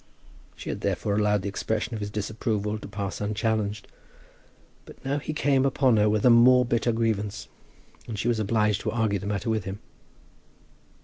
She had therefore allowed the expression of his disapproval to pass unchallenged. But now he came upon her with a more bitter grievance, and she was obliged to argue the matter with him.